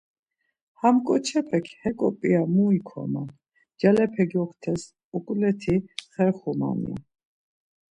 Ham ǩoçepek heko p̌ia mu ikoman, ncalepe gyoktes uǩuleti xerxuman ya.